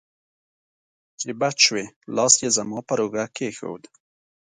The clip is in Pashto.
چې بچ شوې، لاس یې زما پر اوږه کېښود.